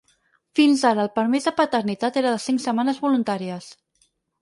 Fins ara el permís de paternitat era de cinc setmanes voluntàries.